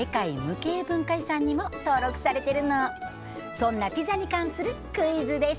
そんなピザに関するクイズです。